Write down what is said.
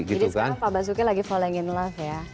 jadi sekarang pak basuki lagi falling in love ya